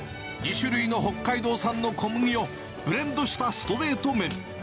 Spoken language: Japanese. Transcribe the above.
２種類の北海道産の小麦をブレンドしたストレート麺。